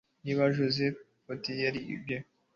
Niba Jodie Foster yari lesbiyani